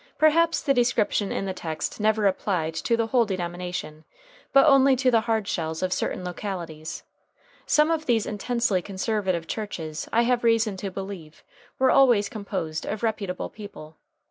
Perhaps the description in the text never applied to the whole denomination, but only to the Hardshells of certain localities. Some of these intensely conservative churches, I have reason to believe, were always composed of reputable people.